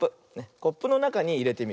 コップのなかにいれてみる。